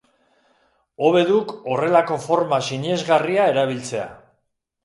Hobe duk horrelako forma sinesgarria erabiltzea.